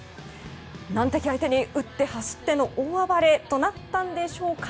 難敵相手に打って走っての大暴れとなったんでしょうか。